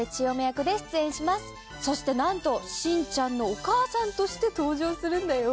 そしてなんとしんちゃんのお母さんとして登場するんだよ！